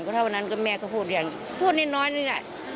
เพราะเท่านั้นก็แม่ก็พูดอย่างพูดนิดน้อยนี่ล่ะ